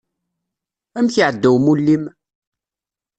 Amek iεedda umulli-m?